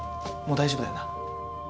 もう大丈夫だよな？